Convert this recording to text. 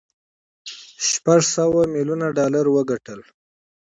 شپږ سوه ميليونه ډالر وګټل.